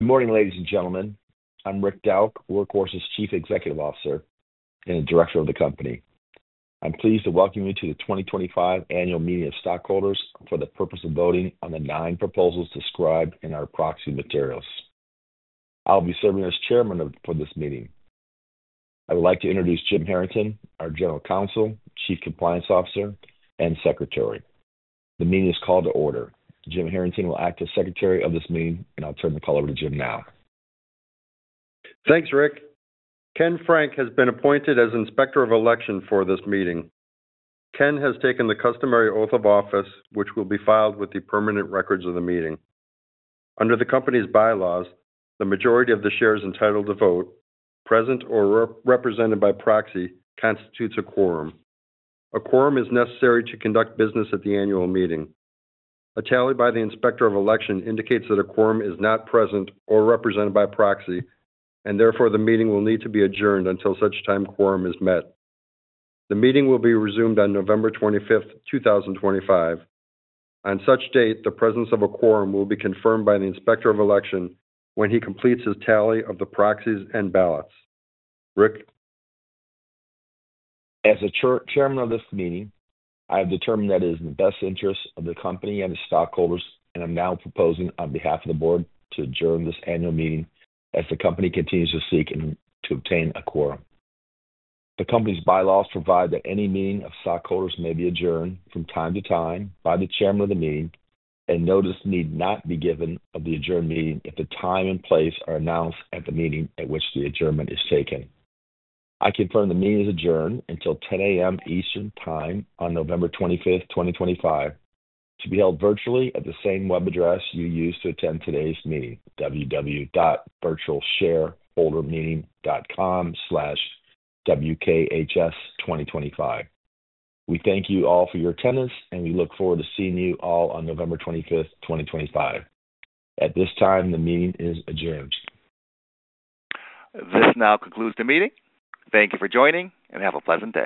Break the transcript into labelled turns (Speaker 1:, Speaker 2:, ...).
Speaker 1: Good morning, ladies and gentlemen. I'm Rick Dauch, Workhorse's Chief Executive Officer and Director of the company. I'm pleased to welcome you to the 2025 Annual Meeting of Stockholders for the purpose of voting on the nine proposals described in our proxy materials. I'll be serving as Chairman for this meeting. I would like to introduce Jim Harrington, our General Counsel, Chief Compliance Officer, and Secretary. The meeting is called to order. Jim Harrington will act as Secretary of this meeting, and I'll turn the call over to Jim now.
Speaker 2: Thanks, Rick. Ken Frank has been appointed as Inspector of Election for this meeting. Ken has taken the customary oath of office, which will be filed with the permanent records of the meeting. Under the company's bylaws, the majority of the shares entitled to vote, present or represented by proxy, constitutes a quorum. A quorum is necessary to conduct business at the annual meeting. A tally by the Inspector of Election indicates that a quorum is not present or represented by proxy, and therefore the meeting will need to be adjourned until such time quorum is met. The meeting will be resumed on November 25th, 2025. On such date, the presence of a quorum will be confirmed by the Inspector of Election when he completes his tally of the proxies and ballots. Rick.
Speaker 1: As the Chairman of this meeting, I have determined that it is in the best interest of the company and its stockholders, and I'm now proposing on behalf of the board to adjourn this annual meeting as the company continues to seek and to obtain a quorum. The company's bylaws provide that any meeting of stockholders may be adjourned from time to time by the Chairman of the meeting, and notice need not be given of the adjourned meeting if the time and place are announced at the meeting at which the adjournment is taken. I confirm the meeting is adjourned until 10:00 A.M. Eastern Time on November 25, 2025, to be held virtually at the same web address you used to attend today's meeting, www.virtualshareholdermeeting.com/wks2025. We thank you all for your attendance, and we look forward to seeing you all on November 25th, 2025. At this time, the meeting is adjourned.
Speaker 3: This now concludes the meeting. Thank you for joining, and have a pleasant day.